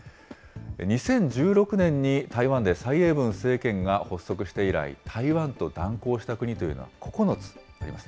２０１６年に台湾で蔡英文政権が発足して以来、台湾と断交した国というのは９つあります。